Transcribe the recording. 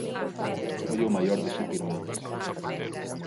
Foi o maior de sete irmáns.